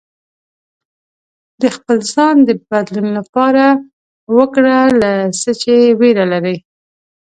د خپل ځان د بدلون لپاره وګره له څه شي ویره لرې